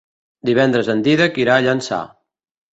Divendres en Dídac irà a Llançà.